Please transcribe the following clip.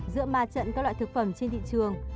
giữa ma trận các loại thực phẩm trên thị trường